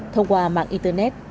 thông qua mạng internet